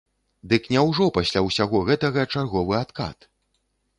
Дык няўжо пасля ўсяго гэтага чарговы адкат?